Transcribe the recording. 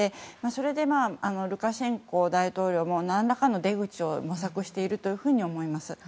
それでルカシェンコ大統領もなんらかの出口を模索していると思います。